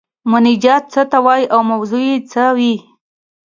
مناجات څه ته وايي او موضوع یې څه وي؟